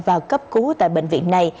vào cấp cứu tại bệnh viện này